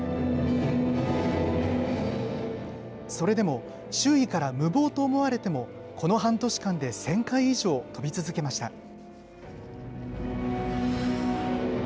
それでも、周囲から無謀と思われても、この半年間で１０００回以上、跳び続けました。